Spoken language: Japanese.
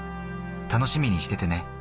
楽しみにしててね。